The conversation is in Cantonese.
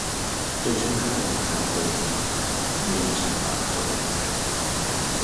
最終搞來搞去亂七八糟